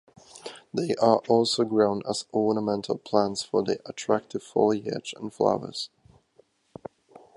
They are also grown as ornamental plants for their attractive foliage and flowers.